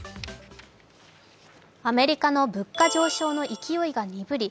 アメリカの物価上昇の勢いが鈍り